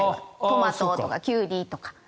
トマトとかキュウリとか。